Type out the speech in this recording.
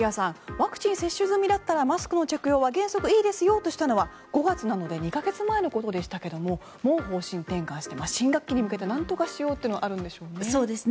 ワクチン接種済みだったらマスクの着用は原則いいですよとしたのは５月なので２か月前のことでしたがもう方針転換して新学期に向けてなんとかしようというのがあるんでしょうね。